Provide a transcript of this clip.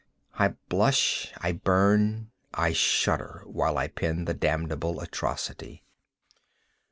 I blush, I burn, I shudder, while I pen the damnable atrocity.